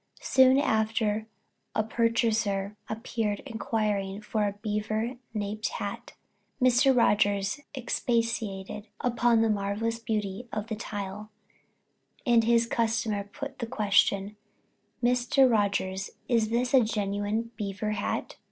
Soon after a purchaser appeared inquiring for a beaver napped hat. Mr. Rogers expatiated upon the marvelous beauty of the "tile," and his customer put the question: "Mr. Rogers, is this a genuine beaver hat?"